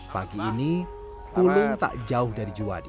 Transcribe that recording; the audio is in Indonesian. pagi ini pulung tak jauh dari juwadi